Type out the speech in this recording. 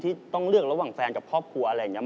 ที่ต้องเลือกระหว่างแฟนกับครอบครัวอะไรอย่างนี้